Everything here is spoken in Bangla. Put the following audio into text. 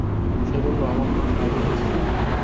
সে বলল, আমার নাম নাগিন্স।